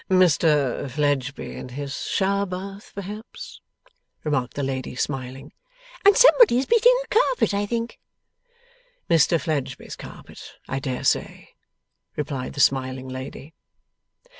'Mr Fledgeby in his shower bath, perhaps,' remarked the lady, smiling. 'And somebody's beating a carpet, I think?' 'Mr Fledgeby's carpet, I dare say,' replied the smiling lady.